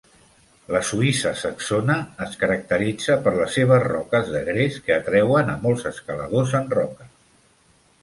La Suïssa saxona es caracteritza per les seves roques de gres que atreuen a molts escaladors en roca.